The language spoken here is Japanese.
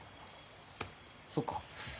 そっか。